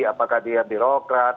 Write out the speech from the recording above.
apakah dia birokrat